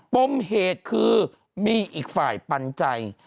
ปมเหตุคือมีอีกฝ่ายปันใจ